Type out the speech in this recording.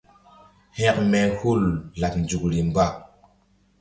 Hȩkme hul laɓ nzukri mba.